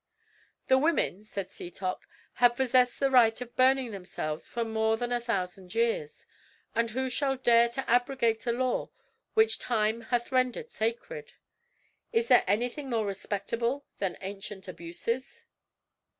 "The women," said Setoc, "have possessed the right of burning themselves for more than a thousand years; and who shall dare to abrogate a law which time hath rendered sacred? Is there anything more respectable than ancient abuses?"